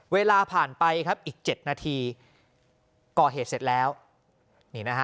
เวลาผ่านไปครับอีก๗นาทีก่อเหตุเสร็จแล้วนี่นะฮะ